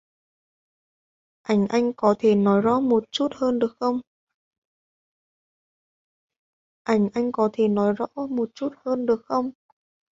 Ảnh anh có thể nói rõ một chút hơn được không ạ